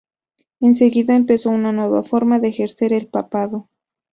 Enseguida empezó una nueva forma de ejercer el papado.